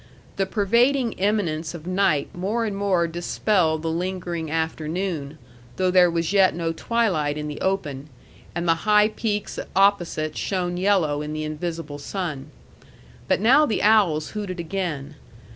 The pervading imminence of night more and more dispelled the lingering afternoon, though there was yet no twilight in the open, and the high peaks opposite shone yellow in the invisible sun. But now the owls hooted again.